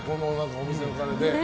お店のカレーで。